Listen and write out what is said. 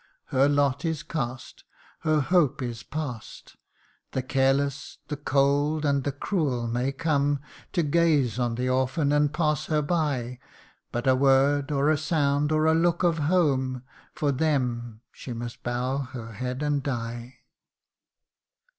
Her lot is cast ; Her hope is past ; The careless, the cold, and the cruel may come To gaze on the orphan, and pass her by : But a word, or a sound, or a look of home For them she must bow her head, and die